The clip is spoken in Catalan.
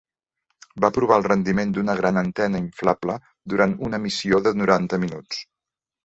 Va provar el rendiment d'una gran antena inflable durant una missió de noranta minuts.